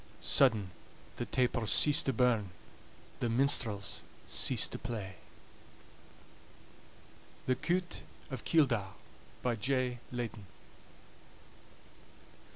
Sudden the tapers cease to burn, The minstrels cease to play. "The Cout of Keeldar," by J. Leyden.